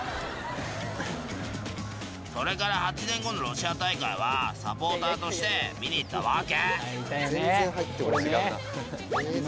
それから８年後のロシア大会はサポーターとして見に行ったわけ。